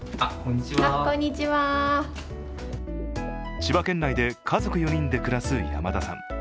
千葉県内で家族４人で暮らす山田さん。